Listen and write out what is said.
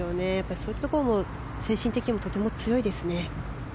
そういったところも精神的にもとても強いですね。